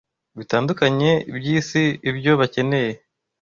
bitandukanye by’isi ibyo bakeneye.